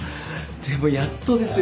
でもやっとですよ。